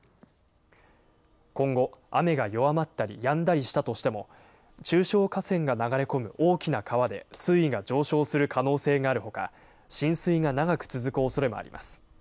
今後、雨が弱まったりやんだりしたとしても、中小河川が流れ込む大きな川で水位が上昇する可能性があるほか、浸水が長く続くおそれもあります。